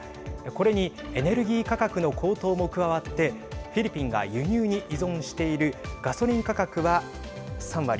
これにエネルギー価格の高騰も加わってフィリピンが輸入に依存しているガソリン価格は３割。